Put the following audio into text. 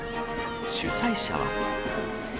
主催者は。